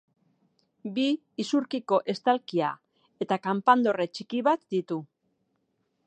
Bi isurkiko estalkia eta kanpandorre txiki bat ditu.